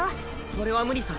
それは無理さ。